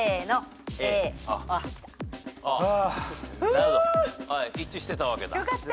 なるほど一致してたわけだ。